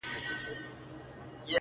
زه چي زهر داسي خورم د موږكانو!.